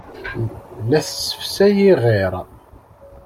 La tessefsay iɣir.